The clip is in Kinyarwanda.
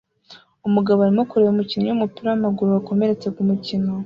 Umugabo arimo kureba umukinnyi wumupira wamaguru wakomeretse kumukino